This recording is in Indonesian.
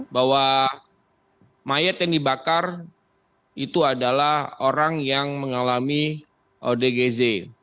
bahwa mayat yang dibakar itu adalah orang yang mengalami odgz